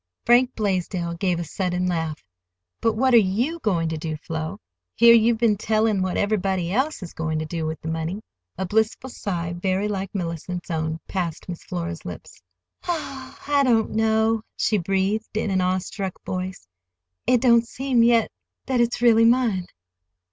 Frank Blaisdell gave a sudden laugh. "But what are you going to do, Flo? Here you've been telling what everybody else is going to do with the money." A blissful sigh, very like Mellicent's own, passed Miss Flora's lips. "Oh, I don't know," she breathed in an awe struck voice. "It don't seem yet—that it's really mine."